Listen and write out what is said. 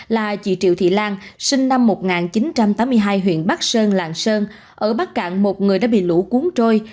là chị triệu thị lan sinh năm một nghìn chín trăm tám mươi hai huyện bắc sơn lạng sơn ở bắc cạn một người đã bị lũ cuốn trôi